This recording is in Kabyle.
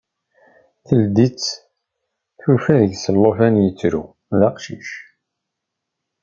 Teldi-tt, tufa deg-s llufan ittru, d aqcic.